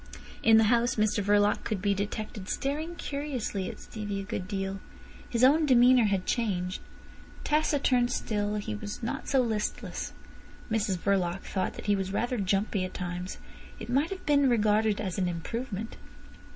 In the house Mr Verloc could be detected staring curiously at Stevie a good deal. His own demeanour had changed. Taciturn still, he was not so listless. Mrs Verloc thought that he was rather jumpy at times. It might have been regarded as an improvement.